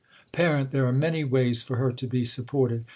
Par, There are many ways for her to be supported.